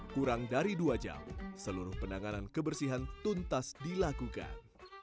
kurang dari dua jam seluruh penanganan kebersihan tuntas dilakukan